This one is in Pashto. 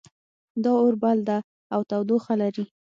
دا اور بل ده او تودوخه لري